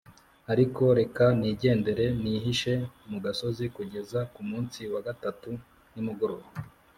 ariko reka nigendere nihishe mu gasozi kugeza ku munsi wa gatatu nimugoroba,